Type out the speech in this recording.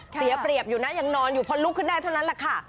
เสียเปรียบยังนอนเพราะยังลุกขึ้นได้แค่ทั้งประวัติ